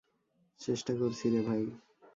চেষ্টা করছিরে ভাই!